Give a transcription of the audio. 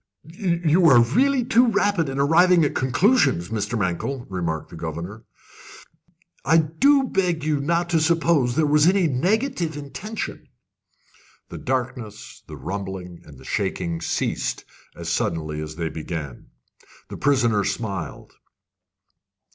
"You really are too rapid in arriving at conclusions, Mr. Mankell," remarked the governor. "I do beg you will not suppose there was any negative intention." The darkness, the rumbling, and the shaking ceased as suddenly as they began. The prisoner smiled.